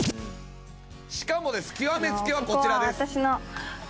しかもです極めつけはこちらです。